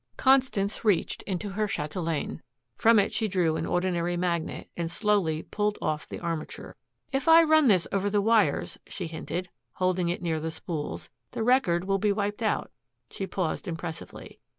Constance reached into her chatelaine. From it she drew an ordinary magnet, and slowly pulled off the armature. "If I run this over the wires," she hinted, holding it near the spools, "the record will be wiped out." She paused impressively.